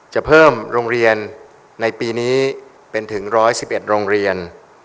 จะเพิ่มโรงเรียนในปีนี้เป็นถึงร้อยสิบเอ็ดโรงเรียน